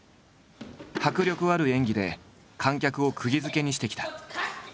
迫力ある演技で観客をくぎづけにしてきた。